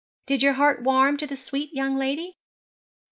'Did your heart warm to the sweet young lady?'